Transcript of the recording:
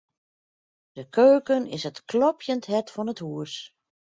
De keuken is it klopjend hert fan it hús.